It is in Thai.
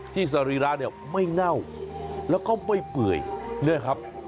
สรีระเนี่ยไม่เน่าแล้วก็ไม่เปื่อยเนี่ยครับ